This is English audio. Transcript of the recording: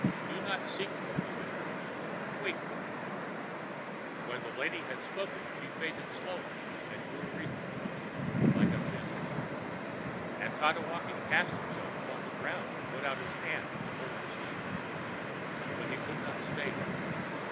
Do not seek for me there.... Wait for me.ã And when the lady had spoken she faded slowly and grew ethereal, like a mist. And Tatewaki cast himself upon the ground and put out his hand to hold her sleeve. But he could not stay her.